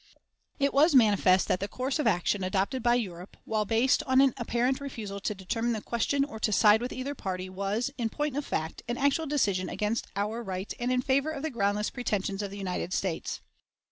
It was manifest that the course of action adopted by Europe, while based on an apparent refusal to determine the question or to side with either party, was, in point of fact, an actual decision against our rights and in favor of the groundless pretensions of the United States.